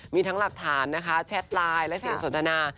มีทั้งหลักฐานนะคะแชทไลน์และเสียงสนทนา